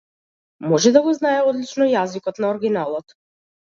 Може да го знае одлично јазикот на оригиналот.